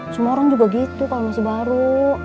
semua orang juga gitu kalau masih baru